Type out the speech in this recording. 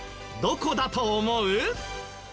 どこだと思う？